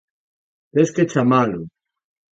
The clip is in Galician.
Tes que chamalo.